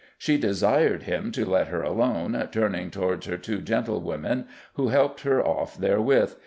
"She desyred him to let her alone, turning towards her two gentlewomen who helped her off therewith